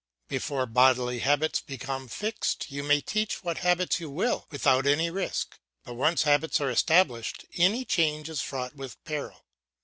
Before bodily habits become fixed you may teach what habits you will without any risk, but once habits are established any change is fraught with peril.